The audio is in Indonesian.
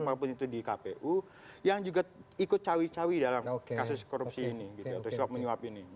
maupun itu di kpu yang juga ikut cawi cawi dalam kasus korupsi ini gitu atau swab menyuap ini